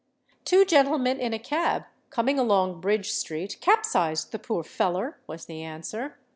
"Two gentlemen in a cab, coming along Bridge Street, capsized the poor feller," was the answer.